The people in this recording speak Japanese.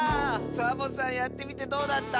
サボさんやってみてどうだった？